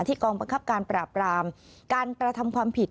กองบังคับการปราบรามการกระทำความผิด